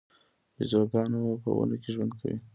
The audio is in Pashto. بیزوګان په ونو کې ژوند کوي